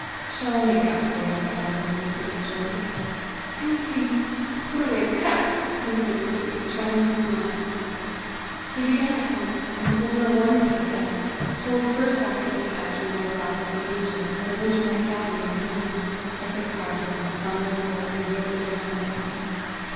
Shall I make up for it by telling you a pretty story?" "Anything to put away that!" answered Mercy, trying to smile. He began at once, and told her a wonderful tale told first after this fashion by Rob of the Angels, at a winter night gathering of the women, as they carded and spun their wool, and reeled their yarn together.